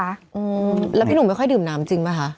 อืมแล้วพี่หนุ่มไม่ค่อยดื่มน้ำจริงป่ะคะ